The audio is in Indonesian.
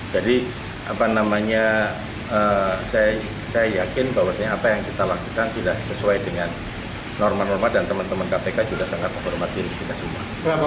apa namanya saya yakin bahwa apa yang kita lakukan sudah sesuai dengan norma norma dan teman teman kpk juga sangat menghormati untuk kita semua